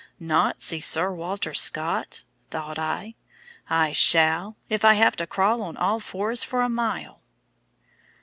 "Not see Sir Walter Scott?" thought I; "I SHALL, if I have to crawl on all fours for a mile."